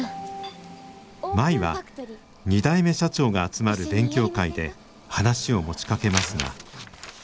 舞は２代目社長が集まる勉強会で話を持ちかけますが。